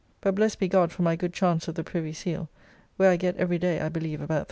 But blessed be God for my good chance of the Privy Seal, where I get every day I believe about L3.